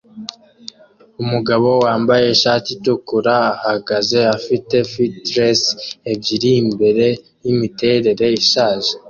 Umugabo wambaye ishati itukura ahagaze afite fitles ebyiri imbere yimiterere ishaje